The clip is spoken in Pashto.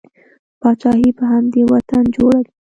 پاچاهي په همدې وطن جوړه ده.